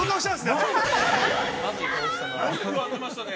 ◆よく当てましたね。